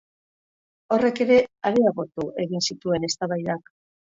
Horrek ere areagotu egin zituen eztabaidak.